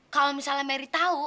kalo misalnya meri tau